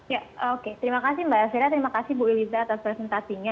ya oke terima kasih mbak fira terima kasih bu iliza atas presentasinya